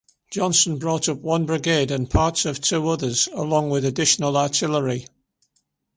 Johnson brought up one brigade and parts of two others, along with additional artillery.